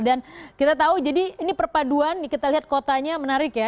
dan kita tahu jadi ini perpaduan kita lihat kotanya menarik ya